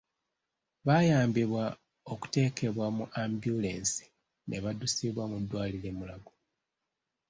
Baayambibwa okuteekebwa mu ambyulensi ne baddusibwa mu ddwaliro e Mulago.